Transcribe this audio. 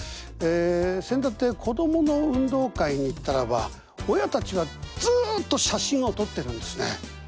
えせんだって子供の運動会に行ったらば親たちがずっと写真を撮ってるんですね。